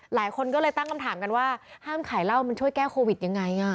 หลายคนก็เลยตั้งคำถามกันว่าห้ามขายเหล้ามันช่วยแก้โควิดยังไง